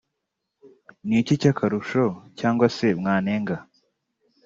ni iki cy’akarusho cyangwa se mwanenga